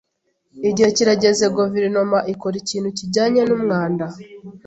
Igihe kirageze guverinoma ikora ikintu kijyanye n’umwanda.